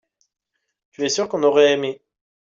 tu es sûr qu'on aurait aimé.